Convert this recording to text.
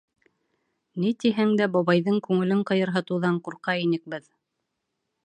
Ни тиһәң дә, бабайҙың күңелен ҡыйырһытыуҙан ҡурҡа инек беҙ.